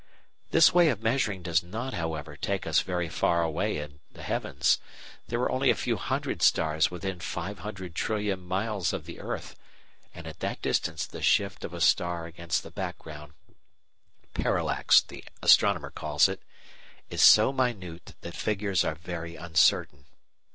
This way of measuring does not, however, take us very far away in the heavens. There are only a few hundred stars within five hundred trillion miles of the earth, and at that distance the "shift" of a star against the background (parallax, the astronomer calls it) is so minute that figures are very uncertain.